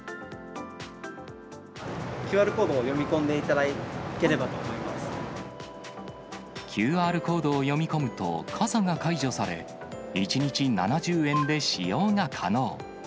ＱＲコードを読み込んでいたＱＲコードを読み込むと、傘が解除され、１日７０円で使用が可能。